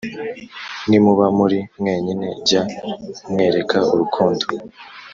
nimuba muri mwenyine jya umwereka urukundo